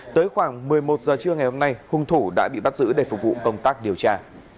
tới khoảng một mươi một giờ trưa ngày hôm nay hung thủ đã bị bắt giữ để phục vụ công tác điều tra